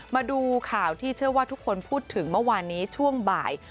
มาดูข่าวที่เชื่อว่าทุกคนพูดถึงเมื่อวานนี้ช่วงบ่าย